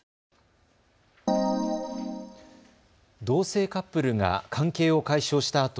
同性カップルが関係を解消した